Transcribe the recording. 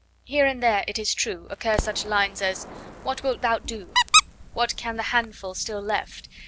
Here and there, it is true, occur such lines as What wilt thou do? What can the handful still left?